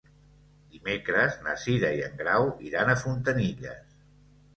Dimecres na Cira i en Grau iran a Fontanilles.